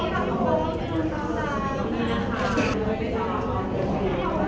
ใช่ค่ะหนึ่งสองสามขอบคุณครับ